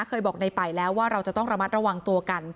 เคยบอกในป่ายแล้วว่าเราจะต้องระมัดระวังตัวกัน